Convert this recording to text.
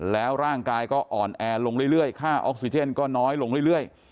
แล้วร่างกายก็อ่อนแอลงเรื่อยค่าออกซิเจนก็น้อยลงเรื่อย